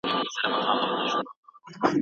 بې له پوره معلوماتو چاته لارښوونه مه کوه.